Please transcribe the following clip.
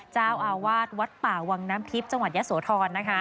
เจ้าอาวาสวัดป่าวังน้ำทิพย์จังหวัดยะโสธรนะคะ